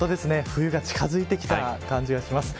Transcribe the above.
冬が近づいてきた感じがします。